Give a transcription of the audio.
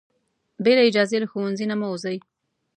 بې له اجازې له ښوونځي نه مه وځئ.